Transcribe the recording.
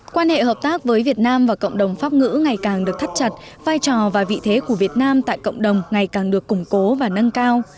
quan hệ hợp tác với việt nam và cộng đồng pháp ngữ ngày càng được thắt chặt vai trò và vị thế của việt nam tại cộng đồng ngày càng được củng cố và nâng cao